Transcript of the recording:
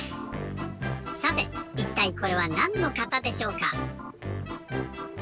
さていったいこれはなんの型でしょうか？